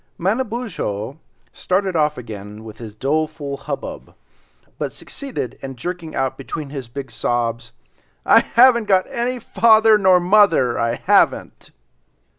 Manabozho started off again with his doleful hubbub, but succeeded in jerking out between his big sobs, "I haven't got any father nor mother, I haven't."